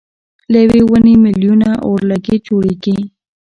له یوې ونې مېلیونه اورلګیت جوړېږي.